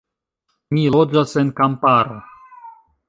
Mi loĝas en kamparo.